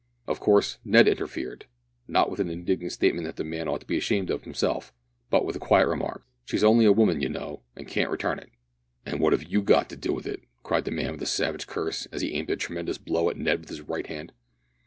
Of course Ned interfered, not with an indignant statement that the man ought to be ashamed of himself, but, with the quiet remark "She's only a woman, you know, an' can't return it." "An' wot 'ave you got to do with it?" cried the man with a savage curse, as he aimed a tremendous blow at Ned with his right hand.